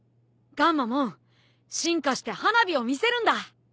ガンマモン進化して花火を見せるんだ。